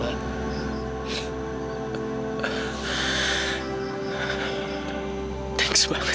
aku tak tahu